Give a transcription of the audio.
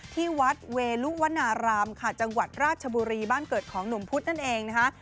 ที่วัดเวลุวนารามค่ะจังหวัดราชบุรีบ้านเกิดของหนุ่มพุธนั่นเองนะคะ